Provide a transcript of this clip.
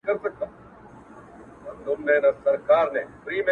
د جنت د حورو ميري ـ جنت ټول درته لوگی سه ـ